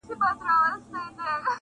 • زه مي د خیال په جنازه کي مرمه -